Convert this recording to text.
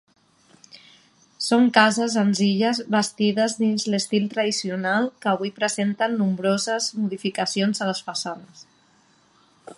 Són cases senzilles, bastides dins l'estil tradicional que avui presenten nombroses modificacions a les façanes.